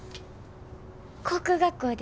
航空学校で。